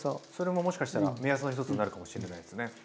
それももしかしたら目安の一つになるかもしれないですね。